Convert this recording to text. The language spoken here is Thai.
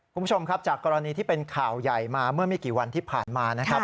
คุณผู้ชมครับจากกรณีที่เป็นข่าวใหญ่มาเมื่อไม่กี่วันที่ผ่านมานะครับ